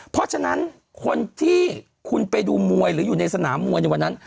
เพราะฉะนั้นคนที่คุณไปดูมวยหรืออยู่ในสนามมวยในวันนั้น